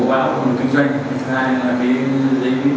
thứ hai là các doanh nghiệp khai thác của các doanh nghiệp đối địa